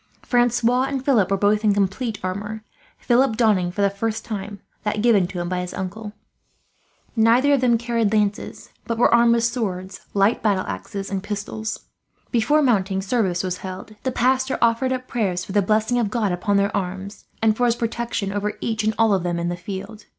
Francois and Philip were both in complete armour; Philip donning, for the first time, that given to him by his uncle. Neither of them carried lances, but were armed with swords, light battle axes, and pistols. Before mounting, service was held. The pastor offered up prayers for the blessing of God upon their arms, and for his protection over each and all of them in the field.